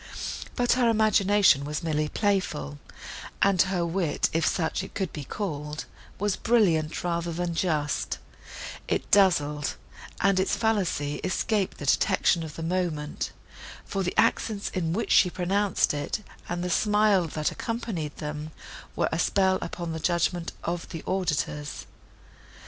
But her imagination was merely playful, and her wit, if such it could be called, was brilliant, rather than just; it dazzled, and its fallacy escaped the detection of the moment; for the accents, in which she pronounced it, and the smile, that accompanied them, were a spell upon the judgment of the auditors.